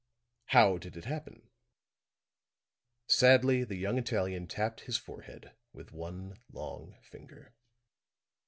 How did it happen?" Sadly the young Italian tapped his forehead with one long finger.